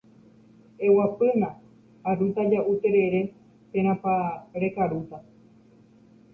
eguapýna arúta ja'u terere térãpa rekarúta